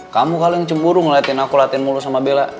kamu kalau yang cemburu ngeliatin aku latihan mulu sama bella